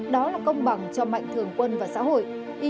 đó là công bằng cho mạnh thường quân và xã hội